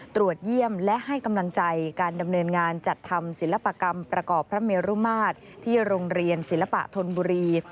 ตรวจเยี่ยมและให้กำลังใจการดำเนินงานจัดทำศิลปกรรมประกอบพระเมรุมาตรที่โรงเรียนศิลปะธนบุรี